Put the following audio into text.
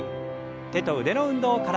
手と腕の運動から。